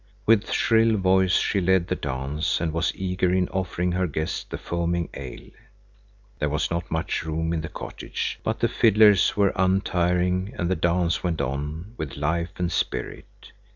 With shrill voice she led the dance and was eager in offering her guests the foaming ale. There was not much room in the cottage, but the fiddlers were untiring, and the dance went on with life and spirit.